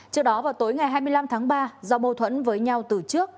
trước đó vào tối ngày hai mươi năm tháng ba do mâu thuẫn với nhau từ trước